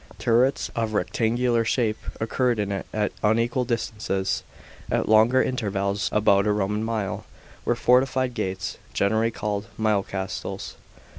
Turrets, of rectangular f shape, occurred in it at unequal distances. At longer intervals (about a Roman mile) were fortified gates, generally called "mile castles."